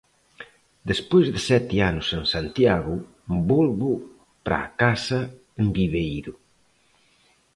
Despois de sete anos en Santiago, volvo para a casa en Viveiro.